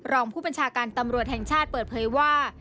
รองผู้บัญชาการตำรวจแห่งชาติเปิดเผยว่า